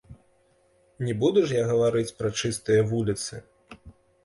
Не буду ж я гаварыць пра чыстыя вуліцы.